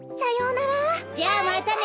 じゃあまたね。